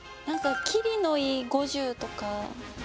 何か切りのいい５０とか。